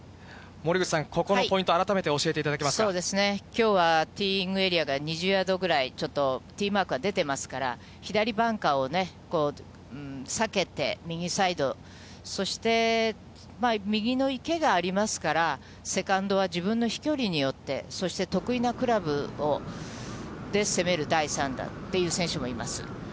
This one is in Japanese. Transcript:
森口さん、ここのポイント、そうですね、きょうは、ティーイングエリアが２０ヤードぐらい、ちょっとティーマークは出てますから、左バンカーをね、避けて、右サイド、そして、右の池がありますから、セカンドは自分の飛距離によって、そして得意なクラブで攻める第３打っていう選手もいます。